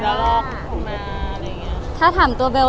เป็นรามามาอีกแล้วรอบ